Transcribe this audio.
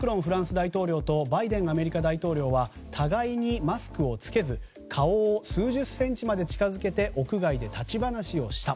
大統領とバイデンアメリカ大統領は互いにマスクを着けず顔を数十センチまで近づけて屋外で立ち話をした。